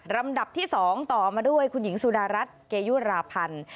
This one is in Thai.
ลำดับที่๒ต่อมาด้วยคุณหญิงสุดารัฐเกยุราพันธ์